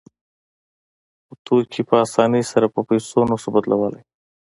خو توکي په اسانۍ سره په پیسو نشو بدلولی